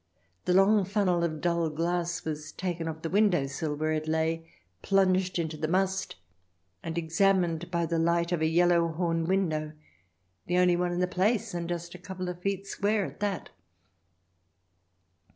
The long funnel of dull glass was taken off the window sill where it lay, plunged into the must, and examined by the light of a yellow horn window, the only one in the place, and just a couple of feet square at that.